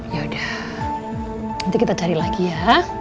ya udah nanti kita cari lagi ya